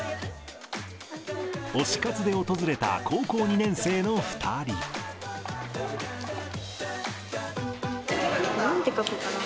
推し活で訪れた高校２年生の２人。なんて書こうかな。